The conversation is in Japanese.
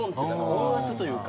音圧というか。